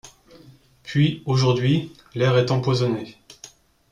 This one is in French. Puis, aujourd’hui, l’air est empoisonné...